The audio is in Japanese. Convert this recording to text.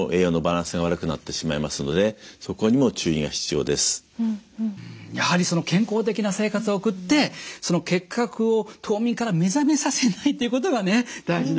うんやはり健康的な生活を送って結核を冬眠から目覚めさせないということがね大事なんですね。